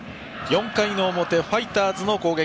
４回の表ファイターズの攻撃。